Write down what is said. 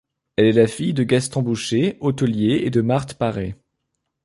Elle est la fille de Gaston Boucher, hôtelier, et de Marthe Paré.